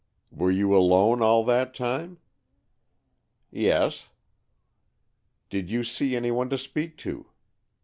"Were you alone all that time?" "Yes." "Did you see any one to speak to?"